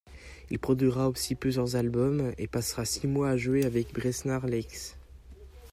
Il produira aussi plusieurs albums, et passera six mois à jouer avec Besnard Lakes.